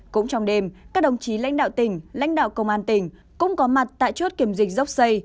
cũng trong đêm các đồng chí lãnh đạo tỉnh lãnh đạo công an tỉnh cũng có mặt tại chốt kiểm dịch dốc xây